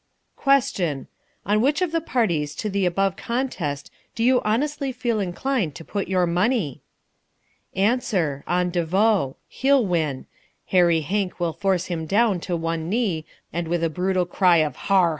Question. On which of the parties to the above contest do you honestly feel inclined to put your money? Answer. On De Vaux. He'll win. Hairy Hank will force him down to one knee and with a brutal cry of "Har!